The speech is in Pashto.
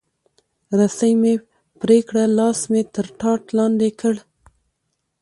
رسۍ مې پرې کړه، لاس مې تر ټاټ لاندې کړ.